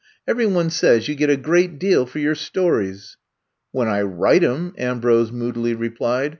Every one says you get a great deal for your stories." When I write 'em," Ambrose moodily replied.